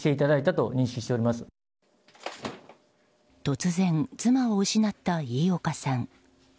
突然、妻を失った飯岡さん。